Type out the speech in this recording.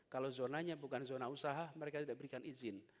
kalau zonanya bukan zona usaha mereka tidak berikan izin